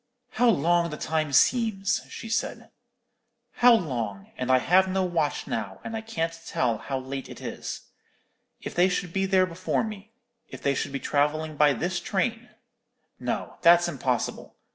"How long the time seems!" she said; "how long! and I have no watch now, and I can't tell how late it is. If they should be there before me. If they should be travelling by this train. No, that's impossible.